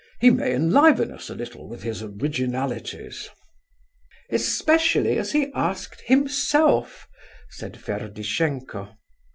He may enliven us a little with his originalities." "Especially as he asked himself," said Ferdishenko.